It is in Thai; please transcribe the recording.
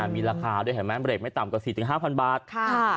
มีราคาไม่ต่ำกว่า๔๕๐๐๐บาท